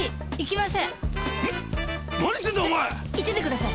行っててください。